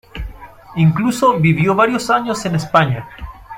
Incluso vivió varios años en España.